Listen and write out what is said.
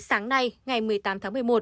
sáng nay ngày một mươi tám tháng một mươi một